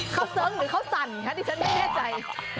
เขาเสิร์งหรือเขาสั่นคะดิฉันไม่แน่ใจ